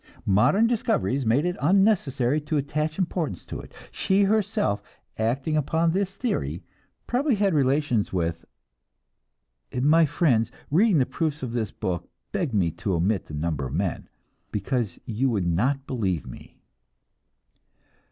Modern discoveries made it unnecessary to attach importance to it. She herself, acting upon this theory, probably had had relations with my friends, reading the proofs of this book, beg me to omit the number of men, because you would not believe me!